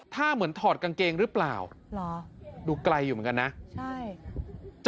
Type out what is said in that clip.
ถ้าเหมือนถอดกางเกงหรือเปล่าเหรอดูไกลอยู่เหมือนกันนะใช่